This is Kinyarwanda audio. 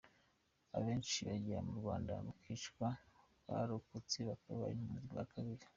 Abenshi bageraga mu Rwanda bakicwa, abarokotse bakaba impunzi bwa kabiri.